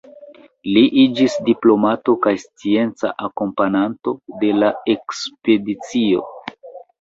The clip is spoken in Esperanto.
Li iĝis diplomato kaj scienca akompananto de la ekspedicio.